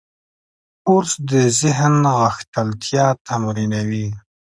کورس د ذهن غښتلتیا تمرینوي.